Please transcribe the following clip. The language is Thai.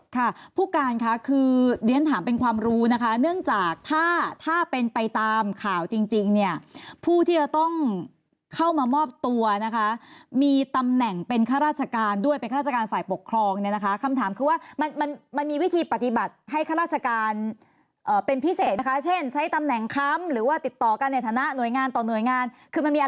ค่ะผู้การค่ะคือเรียนถามเป็นความรู้นะคะเนื่องจากถ้าถ้าเป็นไปตามข่าวจริงเนี่ยผู้ที่จะต้องเข้ามามอบตัวนะคะมีตำแหน่งเป็นข้าราชการด้วยเป็นข้าราชการฝ่ายปกครองเนี่ยนะคะคำถามคือว่ามันมันมีวิธีปฏิบัติให้ข้าราชการเป็นพิเศษนะคะเช่นใช้ตำแหน่งค้ำหรือว่าติดต่อกันในฐานะหน่วยงานต่อหน่วยงานคือมันมี